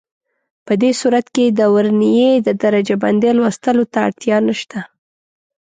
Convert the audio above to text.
په دې صورت کې د ورنيې د درجه بندۍ لوستلو ته اړتیا نشته.